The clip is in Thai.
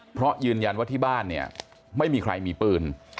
เพราะยืนยันว่าที่บ้านเนี่ยไม่มีใครมีปืน